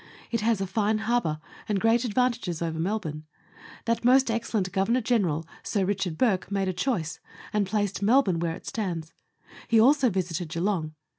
It has a fine harbour, and great advantages over Melbourne. That most excellent Governor General Sir R. Bourke, made a choice, and placed Melbourne where it stands. He also visited Geelong.